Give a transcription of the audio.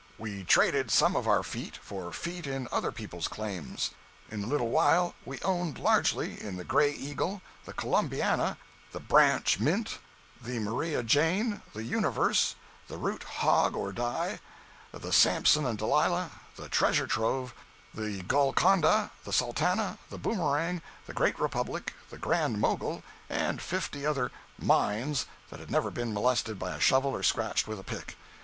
We traded some of our "feet" for "feet" in other people's claims. In a little while we owned largely in the "Gray Eagle," the "Columbiana," the "Branch Mint," the "Maria Jane," the "Universe," the "Root Hog or Die," the "Samson and Delilah," the "Treasure Trove," the "Golconda," the "Sultana," the "Boomerang," the "Great Republic," the "Grand Mogul," and fifty other "mines" that had never been molested by a shovel or scratched with a pick.